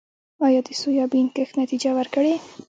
آیا د سویابین کښت نتیجه ورکړې؟